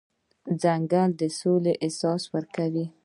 ځنګل د سولې احساس ورکوي.